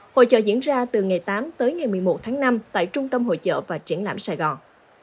hội trợ diễn ra từ ngày tám tới ngày một mươi một tháng năm tại trung tâm hội chợ và triển lãm sài gòn